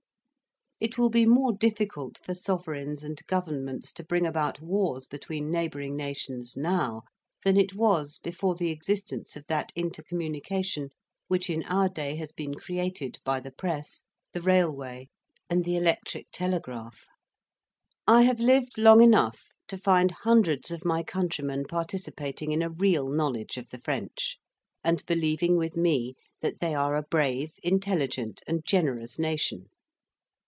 It will be more difficult for sovereigns and governments to bring about wars between neighboring nations now, than it was before the existence of that intercommunication which in our day has been created by the press, the railway, and the electric telegraph. I have lived long enough to find hundreds of my countrymen participating in a real knowledge of the French, and believing with me that they are a brave, intelligent, and generous nation.